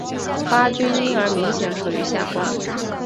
巴军因而明显处于下风。